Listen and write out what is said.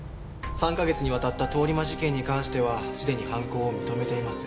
３カ月にわたった通り魔事件に関してはすでに犯行を認めています。